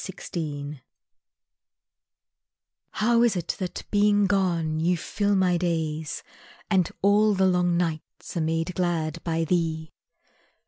Mirage How is it that, being gone, you fill my days, And all the long nights are made glad by thee?